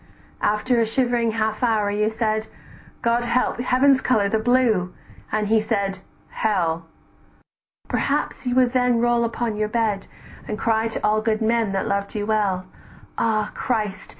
"After a shivering half hour you said: 'God help! heaven's color, the blue;' and he said, 'hell.' Perhaps you would then roll upon your bed, "And cry to all good men that loved you well, 'Ah Christ!